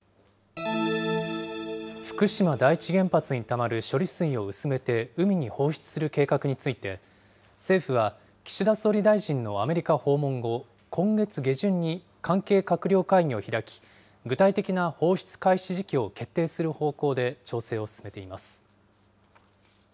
福島第一原発にたまる処理水を薄めて海に放出する計画について、政府は、岸田総理大臣のアメリカ訪問後、今月下旬に関係閣僚会議を開き、具体的な放出開始時期を決定する方向で調整を進めています。